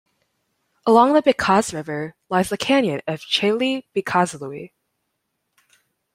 Along the Bicaz River lies the canyon of Cheile Bicazului.